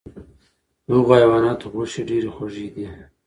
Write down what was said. د هغو حیواناتو غوښې ډیرې خوږې دي،